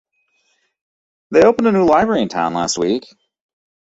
They opened a new library in town last week.